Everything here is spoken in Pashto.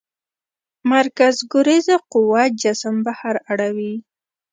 مرکزګریز قوه جسم بهر اړوي.